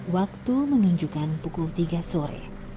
waktu menunjukkan pukul tiga sore